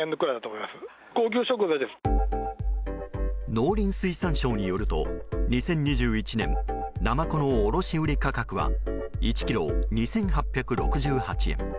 農林水産省によると２０２１年ナマコの卸売価格は１ｋｇ２８６８円。